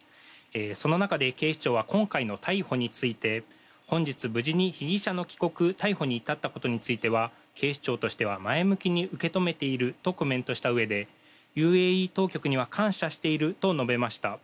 その中で、警視庁は今回の逮捕について本日、無事に被疑者の帰国・逮捕に至ったことは警視庁としては前向きに受け止めているとコメントしたうえでＵＡＥ当局には感謝していると述べました。